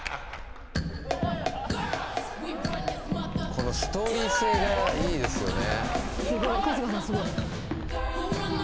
このストーリー性がいいですよね